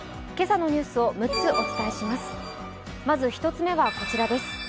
今朝のニュースを６つお伝えします